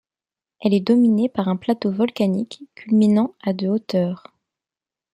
Elle est dominée par un plateau volcanique culminant à de hauteur.